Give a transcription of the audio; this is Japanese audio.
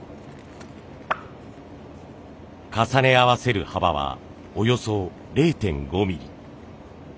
重ね合わせる幅はおよそ０．５ミリ。